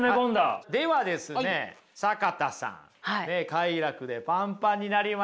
快楽でパンパンになりました。